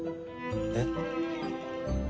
えっ？